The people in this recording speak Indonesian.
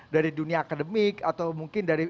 dari dunia akademik atau mungkin dari